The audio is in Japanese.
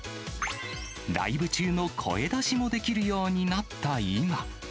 ライブ中の声出しもできるようになった今。